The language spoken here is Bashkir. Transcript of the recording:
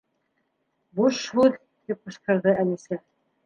— Буш һүҙ! — тип ҡысҡырҙы Әлисә.